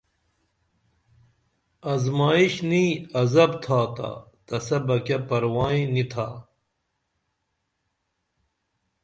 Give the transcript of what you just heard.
ازمائش نی عزپ تھاتا تسہ بہ کیہ پروائیں نی تھا